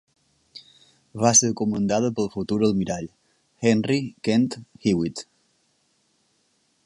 Va ser comandada pel futur almirall, Henry Kent Hewitt.